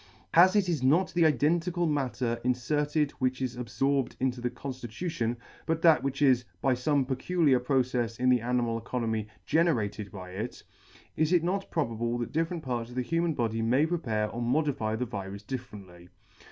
As it is not the identical matter inferted which is abforbed into the conftitution, but that which is, by fome peculiar' procefs in the animal economy, generated by it, is it not probable that different parts of the human body may prepare or modify the virus differently.